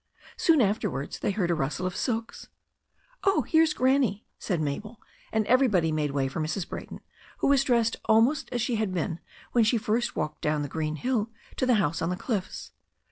Soon afterwards they heard a rustle of silks. "Oh, here's Granny," said Mabel, and everybody made way for Mrs. Brayton, who was dressed almost as she had been when she first walked down the green hill to the house on the cliffs.